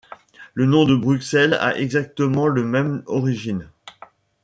Le nom de Bruxelles a exactement le même origine.